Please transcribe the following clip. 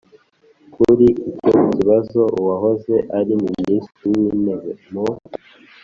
kuri icyo kibazo, uwahoze ari minisitiri w'intebe, mu